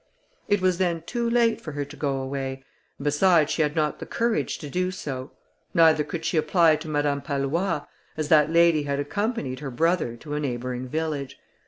It was then too late for her to go away, and besides she had not the courage to do so; neither could she apply to Madame Pallois, as that lady had accompanied her brother to a neighbouring village.